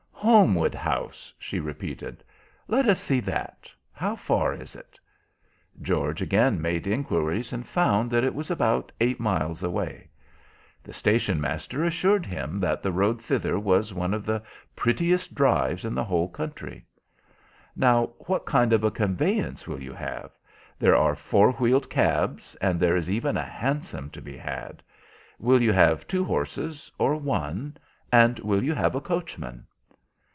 "Holmwood House," she repeated. "Let us see that. How far is it?" George again made inquiries, and found that it was about eight miles away. The station master assured him that the road thither was one of the prettiest drives in the whole country. "Now, what kind of a conveyance will you have? There are four wheeled cabs, and there is even a hansom to be had. Will you have two horses or one, and will you have a coachman?"